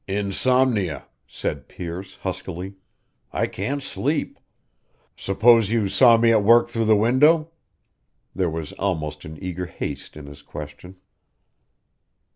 "Insomnia," said Pearce, huskily. "I can't sleep. Suppose you saw me at work through the window?" There was almost an eager haste in his question.